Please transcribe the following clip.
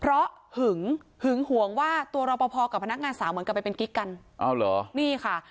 เพราะหึงหึงหวงว่าตัวรอปภกับพนักงานสาวเหมือนกับไปเป็นกิ๊กกันอ้าวเหรอนี่ค่ะ